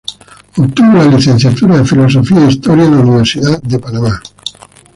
Obtuvo la licenciatura de filosofía e historia en la Universidad de Panamá.